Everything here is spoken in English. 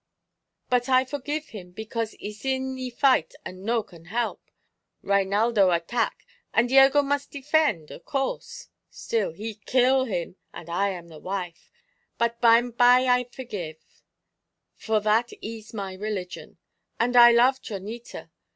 But I forgive him because ees in the fight and no can help. Reinaldo attack, and Diego mus' defend, of course. Still, he kill him, and I am the wife. But bime by I forgive, for that ees my religion. And I love Chonita.